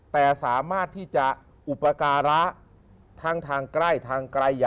แต่สามารถที่จะอุปการะทั้งทางใกล้ทางไกล